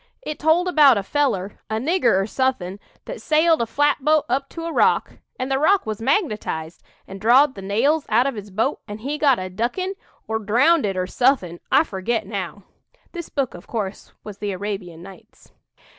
It told about a feller, a nigger or suthin', that sailed a flatboat up to a rock, and the rock was magnetized and drawed the nails out of his boat, an' he got a duckin', or drownded, or suthin', I forget now. (This book, of course, was 'The Arabian Nights.')